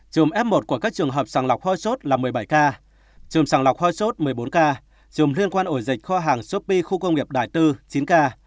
trường f một của các trường hợp sẵn lọc hoa sốt là một mươi bảy ca trường sẵn lọc hoa sốt một mươi bốn ca trường liên quan ổ dịch kho hàng sopi khu công nghiệp đài tư chín ca